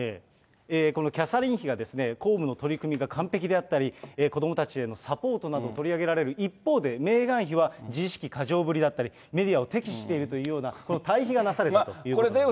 このキャサリン妃が公務の取り組みが完璧であったり、子どもたちへのサポートなど、取り上げられる一方で、メーガン妃は自意識過剰気味だったり、メディアを敵視しているというような、対比がなされているということです。